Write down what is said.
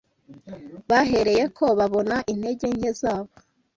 Bahereyeko babona intege nke zabo